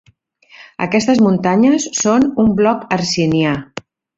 Aquestes muntanyes són un bloc hercinià.